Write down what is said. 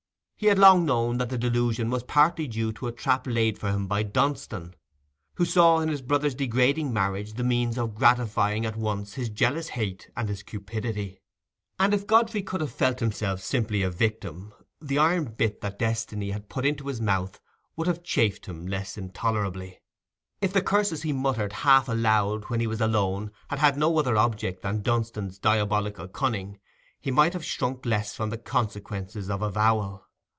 He had long known that the delusion was partly due to a trap laid for him by Dunstan, who saw in his brother's degrading marriage the means of gratifying at once his jealous hate and his cupidity. And if Godfrey could have felt himself simply a victim, the iron bit that destiny had put into his mouth would have chafed him less intolerably. If the curses he muttered half aloud when he was alone had had no other object than Dunstan's diabolical cunning, he might have shrunk less from the consequences of avowal.